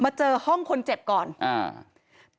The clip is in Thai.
เจอห้องคนเจ็บก่อนอ่า